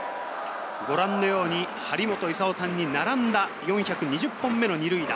ご覧のように張本勲さんに並んだ４２０本目の２塁打。